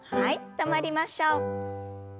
止まりましょう。